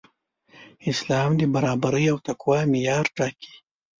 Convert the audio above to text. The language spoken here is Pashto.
اسلام د برابرۍ او تقوی معیار ټاکي.